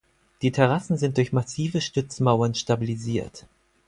Die Terrassen sind durch massive Stützmauern stabilisiert.